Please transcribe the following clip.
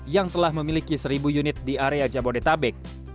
yang telah memiliki seribu unit di area jabodetabek